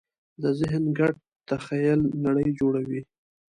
د ذهن ګډ تخیل نړۍ جوړوي.